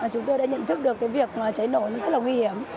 chúng tôi đã nhận thức được việc cháy nổ rất là nguy hiểm